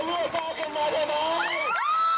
ไม่มีความหมายเลยเหรอ